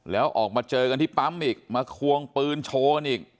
แล้วออกมาเจอกันที่ปั๊มอีกมาควงปืนโชว์กันอีก